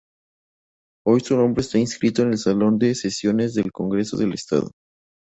Hoy su nombre está inscrito en el Salón de sesiones del Congreso del Estado.